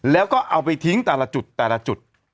แล้วก็เอาไปทิ้งแต่ละจุดแต่ละจุด